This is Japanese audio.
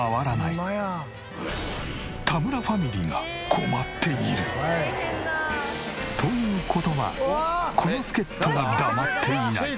田村ファミリーが困っている！という事はこの助っ人が黙っていない。